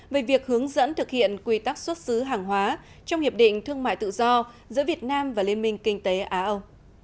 về việc hướng dẫn thực hiện quy tắc xuất xứ hàng hóa trong hiệp định thương mại tự do giữa việt nam và liên minh kinh tế á âu